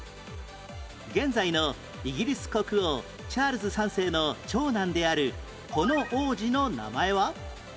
現在のイギリス国王チャールズ３世の長男であるこの王子の名前は？